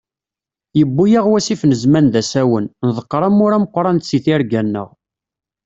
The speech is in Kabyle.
Yewwi-yaɣ wasif n zzman d asawen, nḍeqqer amur ameqran si tirga-nneɣ.